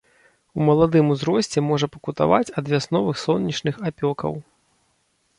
У маладым узросце можа пакутаваць ад вясновых сонечных апёкаў.